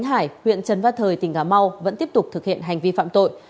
hải huyện trần văn thời tỉnh cà mau vẫn tiếp tục thực hiện hành vi phạm tội